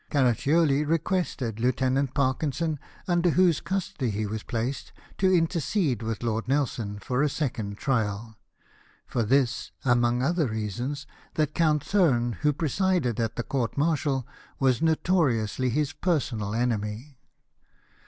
Carac cioli requested Lieutenant Parkinson, under whose custody he was placed, to intercede with Lord Nelson for a second trial — for this, among other reasons, that Count Thurn, who presided at the court martial, was notoriously his personal enemy.